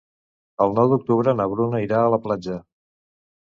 El nou d'octubre na Bruna irà a la platja.